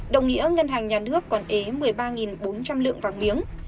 đồng nghĩa ngân hàng nhà nước còn ế một mươi ba bốn trăm linh lượng vàng miếng